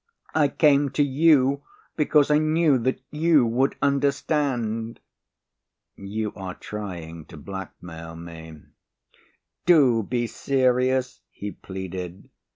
"I came to you because I knew that you would understand." "You are trying to blackmail me." "Do be serious," he pleaded.